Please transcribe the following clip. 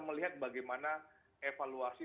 melihat bagaimana evaluasi